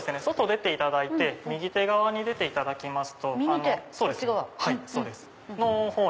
外出ていただいて右手側に出ていただきますと。